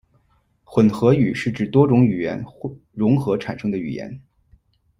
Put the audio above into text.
混合语是指多种语言融合产生的语言。